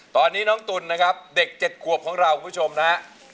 ตอนนี้น้องตุ๋นนะครับเด็ก๗ขวบของเราคุณผู้ชมนะฮะ